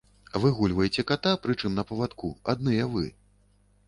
Выгульваеце ката, прычым на павадку, адныя вы.